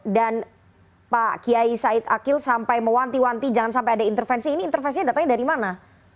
dan pak kiai said akil sampai mewanti wanti jangan sampai ada intervensi ini intervensi datangnya dari mana